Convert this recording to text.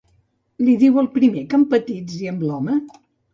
Li diu al primer que empatitzi amb l'home?